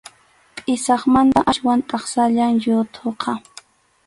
Pʼisaqmanta aswan taksallam yuthuqa.